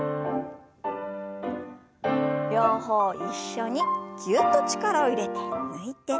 両方一緒にぎゅっと力を入れて抜いて。